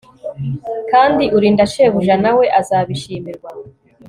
kandi urinda shebuja, na we azabishimirwa